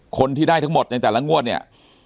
คนที่ได้ทั้งหมดในแต่ละงวดเนี่ย